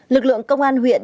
lực lượng công an huyện